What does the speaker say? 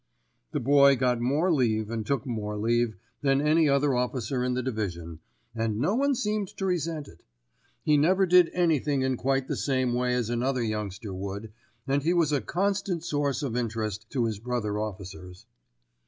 The Boy got more leave and took more leave than any other officer in the division, and no one seemed to resent it. He never did anything in quite the same way as another youngster would, and he was a constant source of interest to his brother officers.